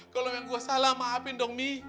kalo yang gue salah maafin dong be